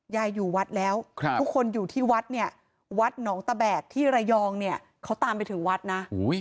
อยู่วัดแล้วทุกคนอยู่ที่วัดเนี่ยวัดหนองตะแดดที่ระยองเนี่ยเขาตามไปถึงวัดนะ